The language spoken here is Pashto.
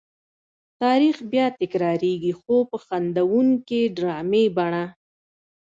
تاریخ بیا تکرارېږي خو په خندوونکې ډرامې بڼه.